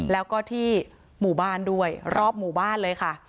แล้วก็ที่หมู่บ้านด้วยรอบหมู่บ้านเลยค่ะ